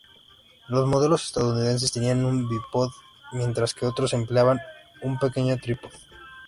Los modelos estadounidenses tenían un bípode, mientras que otros empleaban un pequeño trípode.